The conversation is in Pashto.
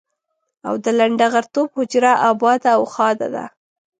او د لنډه غرتوب حجره اباده او ښاده ده.